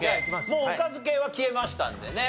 もうおかず系は消えましたのでね。